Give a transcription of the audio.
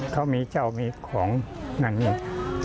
เขามีเจ้ามีของนั่นเนี่ย